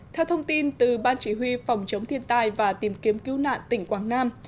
theo thông tin từ ban chỉ huy phòng chống thiên tai và tìm kiếm cứu nạn tỉnh quảng nam